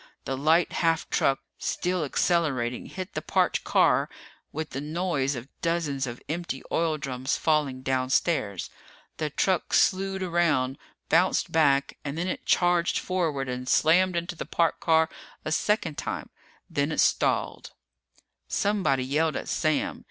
The light half truck, still accelerating, hit the parked car with the noise of dozens of empty oil drums falling downstairs. The truck slued around, bounced back, and then it charged forward and slammed into the parked car a second time. Then it stalled. Somebody yelled at Sam.